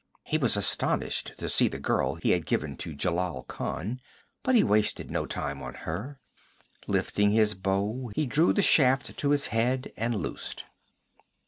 He was astonished to see the girl he had given to Jelal Khan, but he wasted no time on her. Lifting his bow he drew the shaft to its head and loosed.